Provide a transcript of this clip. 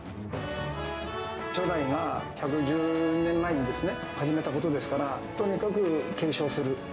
初代が１１３年前に始めたことですから、とにかく継承する。